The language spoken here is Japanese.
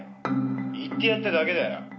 「言ってやっただけだよ」